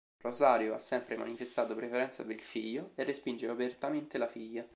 Rosario ha sempre manifestato preferenza per il figlio e respinge apertamente la figlia.